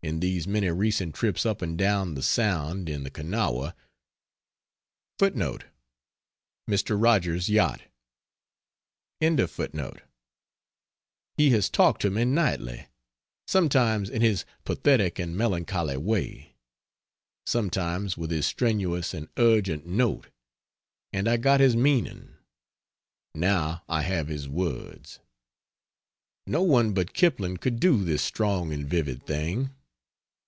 In these many recent trips up and down the Sound in the Kanawha [Mr. Rogers's yacht.] he has talked to me nightly, sometimes in his pathetic and melancholy way, sometimes with his strenuous and urgent note, and I got his meaning now I have his words! No one but Kipling could do this strong and vivid thing.